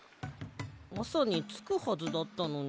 あさにつくはずだったのに。